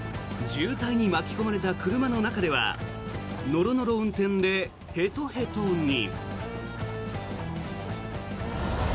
渋滞に巻き込まれた車の中ではノロノロ運転でへとへとに。